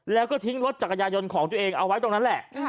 แล้วก็ทิ้งรถจักรยายนต์ของตัวเองเอาไว้ตรงนั้นแหละ